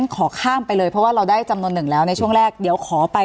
ขอข้ามไปเลยเพราะว่าเราได้จำนวนหนึ่งแล้วในช่วงแรกเดี๋ยวขอไป